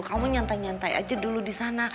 kamu nyantai nyantai aja dulu disana